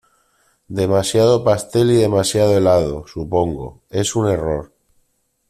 Demasiado pastel y demasiado helado, supongo. ¡ es un error!